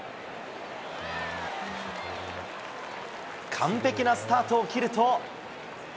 完璧なスタートを切ると。